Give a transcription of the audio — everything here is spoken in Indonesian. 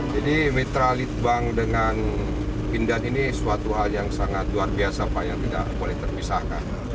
jadi mitra litbang dengan pindad ini suatu hal yang sangat luar biasa pak yang tidak boleh terpisahkan